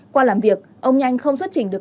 qua làm việc ông nhanh không xuất trình được